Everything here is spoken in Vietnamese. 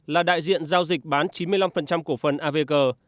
là đại diện giao dịch bán chín mươi năm cổ phần avg